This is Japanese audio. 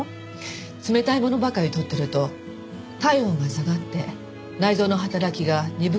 冷たいものばかり取っていると体温が下がって内臓の働きが鈍くなるの。